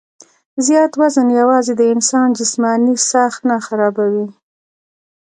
زيات وزن يواځې د انسان جسماني ساخت نۀ خرابوي